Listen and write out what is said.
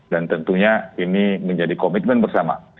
dan tentunya ini menjadi komitmen bersama